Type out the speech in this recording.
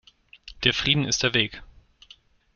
Der Frieden ist der Weg".